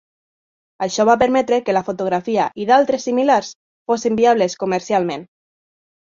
Això va permetre que la fotografia i d'altres similars fossin viables comercialment.